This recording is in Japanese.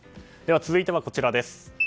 続いてはこちらです。